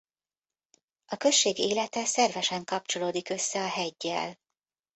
A község élete szervesen kapcsolódik össze a heggyel.